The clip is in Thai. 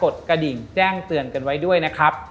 กระดิ่งแจ้งเตือนกันไว้ด้วยนะครับ